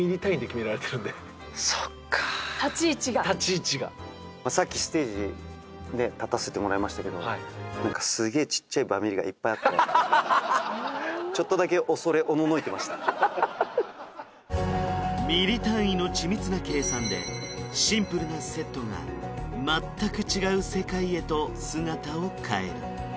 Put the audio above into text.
そっか立ち位置が立ち位置がさっきステージねっ立たせてもらいましたけどちょっとだけミリ単位の緻密な計算でシンプルなセットが全く違う世界へと姿を変える